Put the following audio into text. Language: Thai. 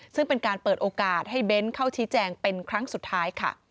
ซึ่งเป็นการเปิดโอกาสให้เบ้นเข้าชี้แจงเป็นครั้งสุดท้ายค่ะ